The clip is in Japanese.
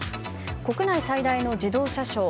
国内最大の自動車ショー